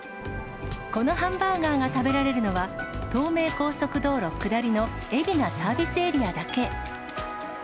このハンバーガーが食べられるのは、東名高速道路下りの海老名サービスエリアだけ。